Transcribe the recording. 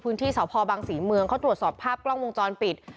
ที่สพบังศรีเมืองเขาตรวจสอบภาพกล้องวงจรปิด